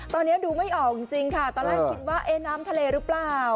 ตอนนี้ดูไม่ออกจริงค่ะตอนแรกคิดว่าน้ำทะเลหรือเปล่า